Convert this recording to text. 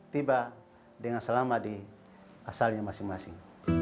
tiba dengan selama di asalnya masing masing